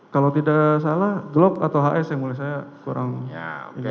kalau tidak salah glock atau hs yang mulia saya kurang